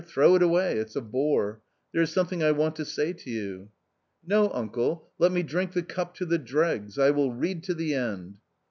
throw it away ; it's a bore. There is something I want to say to you." " No, uncle, let me drink the cup to the dregs ; I will read to the end."